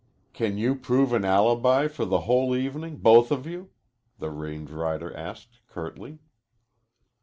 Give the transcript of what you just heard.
"Can you prove an alibi for the whole evening both of you?" the range rider asked curtly.